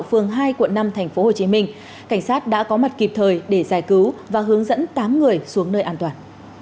phường hai quận năm tp hcm cảnh sát đã có mặt kịp thời để giải cứu và hướng dẫn tám người xuống nơi an toàn